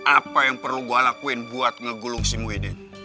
apa yang perlu gua lakuin buat ngegulung si muhyiddin